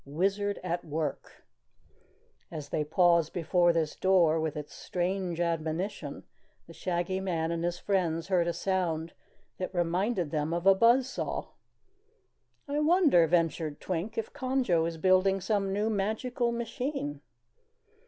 WIZARD AT WORK As they paused before this door with its strange admonition, the Shaggy Man and his friends heard a sound that reminded them of a buzz saw. "I wonder," ventured Twink, "if Conjo is building some new magical machine?"